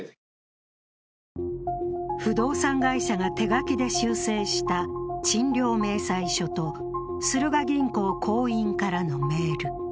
不動産会社が手書きで修正した賃料明細書とスルガ銀行行員からのメール。